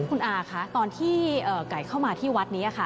คุณอาคะตอนที่ไก่เข้ามาที่วัดนี้ค่ะ